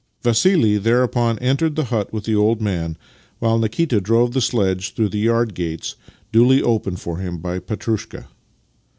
Vassili thereupon entered the hut with the old man, while Nikita drove the sledge through the yard gates, duly opened for him by Petrushka.